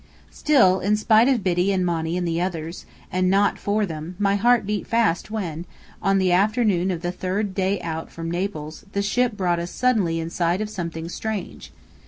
Still, in spite of Biddy and Monny and the others, and not for them, my heart beat fast when, on the afternoon of the third day out from Naples, the ship brought us suddenly in sight of something strange.